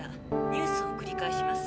ニュースをくり返します」。